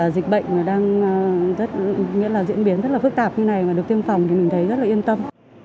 dịch bệnh đang diễn biến rất là phức tạp như này mà được tiêm phòng thì mình thấy rất là yên tâm